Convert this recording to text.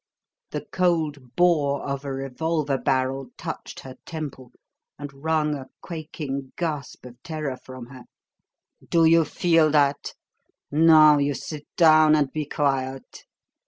the cold bore of a revolver barrel touched her temple and wrung a quaking gasp of terror from her "Do you feel that? Now you sit down and be quiet!